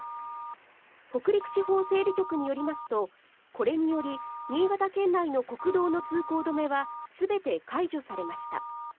北陸地方整備局によりますと、これにより新潟県内の国道の通行止めは、すべて解除されました。